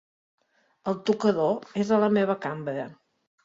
El tocador és a la meva cambra.